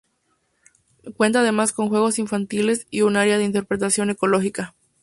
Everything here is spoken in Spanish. Cuenta además con juegos infantiles y un área de interpretación ecológica.